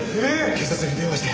警察に電話して。